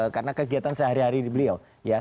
karena kegiatan sehari hari beliau ya